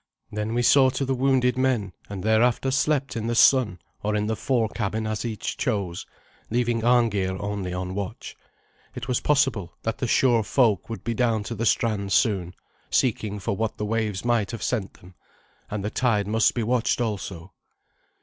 Then we saw to the wounded men, and thereafter slept in the sun or in the fore cabin as each chose, leaving Arngeir only on watch. It was possible that the shore folk would be down to the strand soon, seeking for what the waves might have sent them, and the tide must be watched also.